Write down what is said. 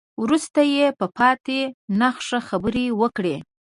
وروسته يې په پاتې نخشه خبرې وکړې.